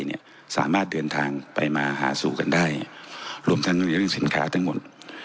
เนี่ยสามารถเดินทางไปมาหาสู่กันได้รวมทั้งในเรื่องสินค้าทั้งหมด